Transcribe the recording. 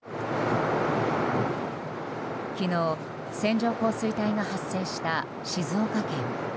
昨日、線状降水帯が発生した静岡県。